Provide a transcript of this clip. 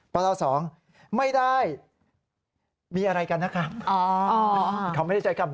ปล๒ไม่ได้มีอะไรกันนะคะ